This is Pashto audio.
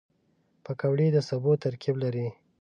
پکورې د سبو ترکیب لري